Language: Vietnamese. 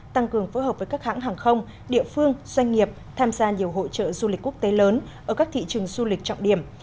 tăng cường phối hợp với các hãng hàng không địa phương doanh nghiệp tham gia nhiều hội trợ du lịch quốc tế lớn ở các thị trường du lịch trọng điểm